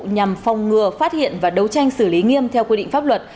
nhằm phòng ngừa phát hiện và đấu tranh xử lý nghiêm theo quy định pháp luật